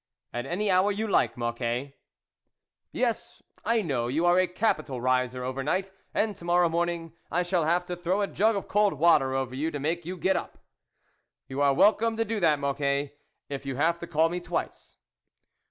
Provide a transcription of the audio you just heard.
" At any hour you like, Mocquet." " Yes, I know, you are a capital riser over night, and to morrow morning I shall have to throw a jug of cold water over you to make you get up." " You are welcome to do that, Mocquet, if you have to call me twice."